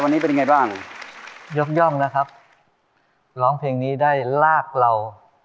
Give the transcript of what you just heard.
วันนี้เป็นยังไงบ้างยกย่องนะครับร้องเพลงนี้ได้ลากเรา